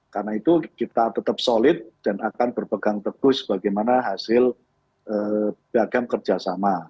karena itu kita tetap solid dan akan berpegang tegus bagaimana hasil bagian kerjasama